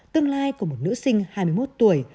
tương lai của một nữ sinh hai mươi một tuổi